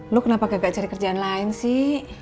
lu kenapa gagak cari kerjaan lain sih